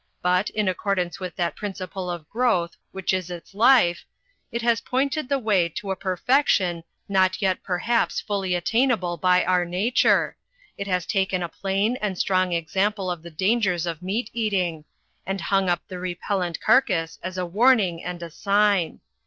But, in accordance with that principle of growth which is its life, it has pointed I30 THE FLYING INN the way to a perfection not yet perhaps fully attainable by our nature ; it has taken a plain and strong example of the dangers of meat eating; and hung up the re pellent carcass as a warning and a sign.